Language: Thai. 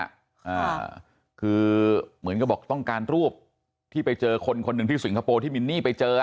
อ่าคือเหมือนกับบอกต้องการรูปที่ไปเจอคนคนหนึ่งที่สิงคโปร์ที่มินนี่ไปเจอ